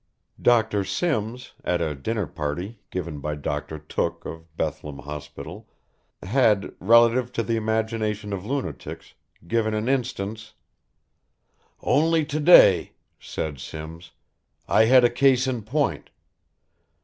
Dr. Simms, at a dinner party, given by Doctor Took of Bethlem Hospital had, relative to the imagination of lunatics, given an instance: "Only to day," said Simms, "I had a case in point.